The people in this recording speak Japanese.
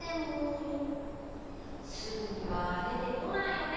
すぐにはでてこないよね